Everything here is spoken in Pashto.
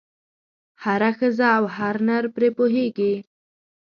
هره ښځه او هر نر پرې پوهېږي.